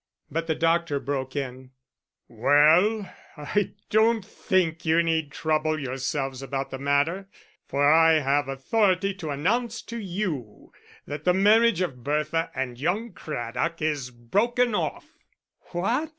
But the doctor broke in: "Well, I don't think you need trouble yourselves about the matter, for I have authority to announce to you that the marriage of Bertha and young Craddock is broken off." "What!"